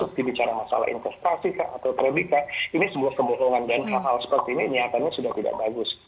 masuk dibicara masalah investasi atau trading kan ini sebuah kebohongan dan hal hal seperti ini nyatanya sudah tidak bagus